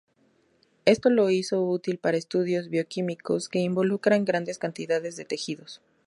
Esto lo hizo útil para estudios bioquímicos que involucran grandes cantidades de tejidos.